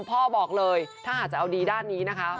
พ่อบอกเลยถ้าหากจะเอาดีด้านนี้นะคะ